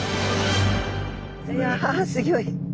いやすギョい。